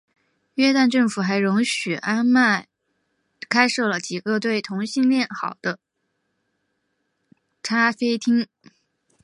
约旦政府还容许安曼开设了几个对同性恋友好的咖啡厅。